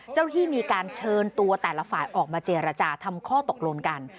ที่มีการเชิญตัวแต่ละฝ่ายออกมาเจรจาทำข้อตกลงกัน